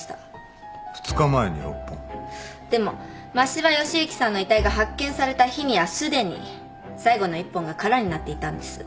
でも真柴義之さんの遺体が発見された日にはすでに最後の１本が空になっていたんです。